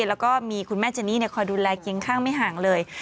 แล้วก็มีคุณแม่เจนี่คอยดูแลกินข้างไม่ห่างเลย